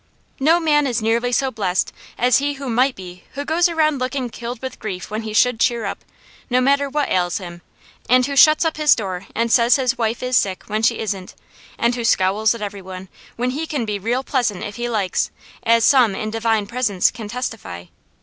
"No man is nearly so blessed as he might be who goes around looking killed with grief when he should cheer up, no matter what ails him; and who shuts up his door and says his wife is sick when she isn't, and who scowls at every one, when he can be real pleasant if he likes, as some in Divine Presence can testify.